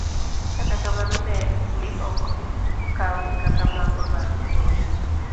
Kata kamano, ne ni ok okawgi kaka mago ma onego